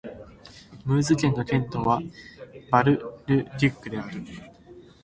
ムーズ県の県都はバル＝ル＝デュックである